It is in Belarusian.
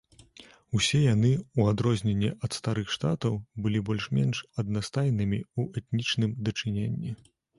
Усе яны, у адрозненне ад старых штатаў, былі больш-менш аднастайнымі ў этнічным дачыненні.